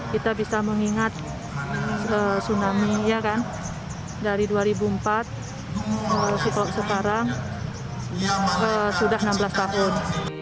kita bisa mengingat tsunami dari dua ribu empat sekarang sudah enam belas tahun